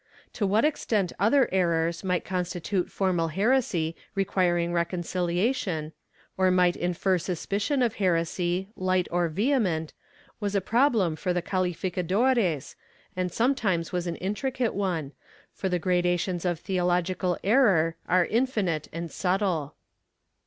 To what extent other errors might constitute formal heresy requiring reconcilia tion, or might infer suspicion of heresy, light or vehement, was a problem for the calificadores, and sometimes was an intricate one, for the gradations of theological error are infinite and subtile.